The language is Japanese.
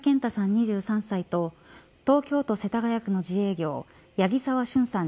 ２３歳と東京都世田谷区の自営業八木沢峻さん